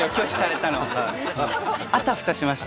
あたふたしました。